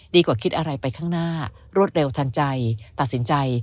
ดีกว่าคิดอะไรไปข้างหน้ารวดเร็วทันใจตัดสินใจ